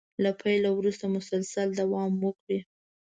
له پيل وروسته مسلسل دوام وکړي.